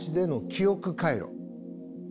記憶回路